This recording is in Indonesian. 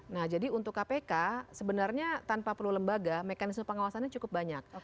nah jadi untuk kpk sebenarnya tanpa perlu lembaga mekanisme pengawasannya cukup banyak